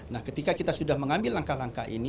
nah ketika kita sudah mengambil langkah langkah ini